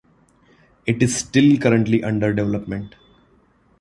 It is still currently under development.